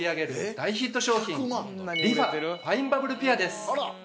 大ヒット商品リファファインバブルピュアです。